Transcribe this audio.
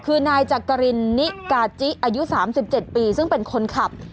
คือนายจักรินนิกาจิอายุ๓๗ปีซึ่งเป็นคนขับ